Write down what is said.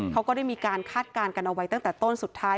เขาก็ได้มีการคาดการณ์กันเอาไว้ตั้งแต่ต้นสุดท้าย